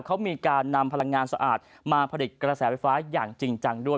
เขามีการนำพลังงานสะอาดมาผลิตกระแสไฟฟ้าอย่างจริงจังด้วย